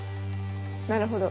なるほど。